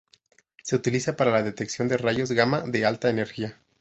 Se utiliza para la detección de rayos gamma de alta energía.